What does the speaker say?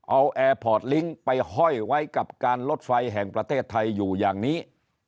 เอาแอร์พอร์ตลิงค์ไปห้อยไว้กับการลดไฟแห่งประเทศไทยอยู่อย่างนี้